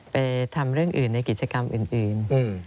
ไปทำเรื่องอื่นในกิจกรรมอื่น